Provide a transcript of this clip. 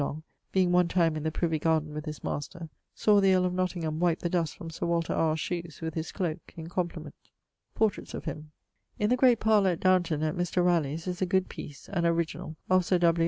Long, being one time in the Privy Garden with his master, saw the earle of Nottingham wipe the dust from Sir Walter R.'s shoes with his cloake, in compliment. <_Portraits of him._> In the great parlour at Downton, at Mr. Ralegh's, is a good piece (an originall) of Sir W.